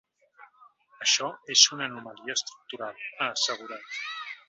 “Això és una anomalia estructural”, ha assegurat.